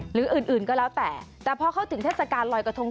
หรืออื่นอื่นก็แล้วแต่แต่พอเข้าถึงเทศกาลลอยกระทง